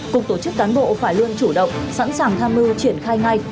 cục tổ chức cán bộ phải luôn chủ động sẵn sàng tham mưu triển khai ngay